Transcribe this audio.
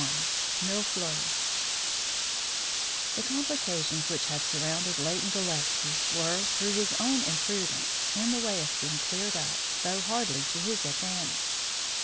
XXI MILLE FLEURS The complications which had surrounded Leighton Gillespie were, through his own imprudence, in the way of being cleared up, though hardly to his advantage.